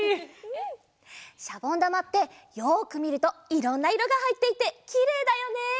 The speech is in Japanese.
しゃぼんだまってよくみるといろんないろがはいっていてきれいだよね！